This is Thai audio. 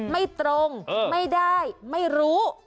ไม่ตรงไม่ได้ไม่รู้